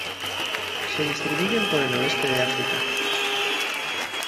Se distribuyen por el oeste de África.